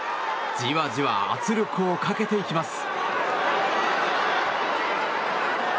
じわじわ圧力をかけていきます。